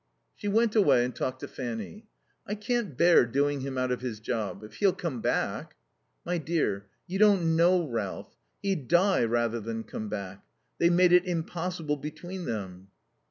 She went away and talked to Fanny. "I can't bear doing him out of his job. If he'll come back " "My dear, you don't know Ralph. He'd die rather than come back. They've made it impossible between them."